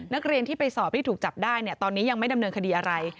นักเรียนที่ไปสอบที่ถูกจับได้เนี่ยตอนนี้ยังไม่ดำเนินคดีอะไร